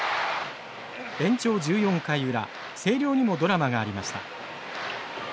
延長１４回裏星稜にもドラマがありました。